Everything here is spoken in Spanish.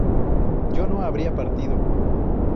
¿yo no habría partido?